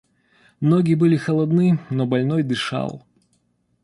Ноги были холодны, но больной дышал.